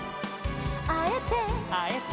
「あえて」「あえて」